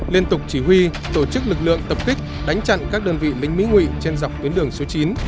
liên tục chỉ huy tổ chức lực lượng tập kích đánh chặn các đơn vị lính mỹ nguyện trên dọc tuyến đường số chín